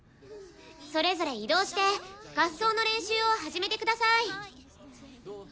それぞれ移動して合奏の練習を始めてください。